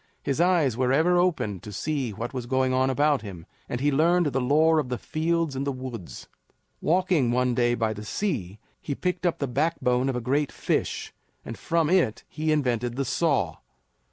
His eyes were ever open to see what was going on about him, and he learned the lore of the fields and the woods. Walking one day by the sea, he picked up the backbone of a great fish, and from it he invented the saw.